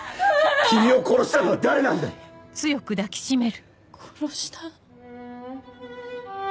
君を殺したのは誰なんだ⁉殺した？